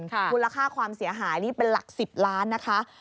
มูลค่าความเสียหายนี่เป็นหลัก๑๐ล้านนะคะ